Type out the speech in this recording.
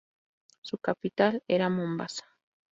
Su capital era Mombasa.